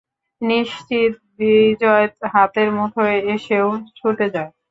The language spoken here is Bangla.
নিশ্চিত বিজয় হাতের মুঠোয় এসেও ছুটে যায়।